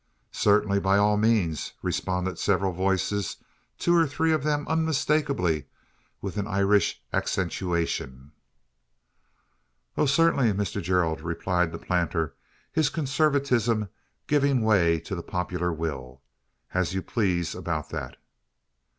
"Certainly, by all means!" responded several voices, two or three of them unmistakably with an Irish accentuation. "Oh, certainly, Mr Gerald!" replied the planter, his conservatism giving way to the popular will "as you please about that."